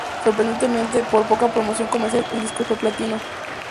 Sorprendentemente, con poca promoción comercial, el disco fue platino.